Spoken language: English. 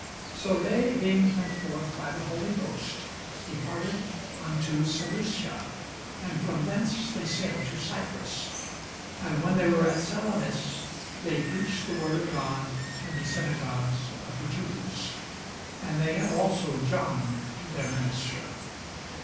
So they, being sent forth by the Holy Ghost, departed unto Seleucia; and from thence they sailed to Cyprus. And when they were at Salamis, they preached the word of God in the synagogues of the Jews: and they had also John to their minister.